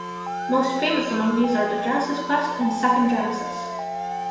Most famous among these are "The Genesis Quest" and "Second Genesis".